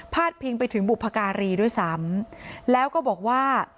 พิงไปถึงบุพการีด้วยซ้ำแล้วก็บอกว่า